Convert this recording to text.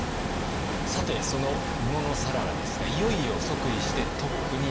さてその野讃良ですがいよいよ即位してトップになります。